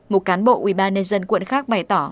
một cán bộ ubnd dân quận khác bày tỏ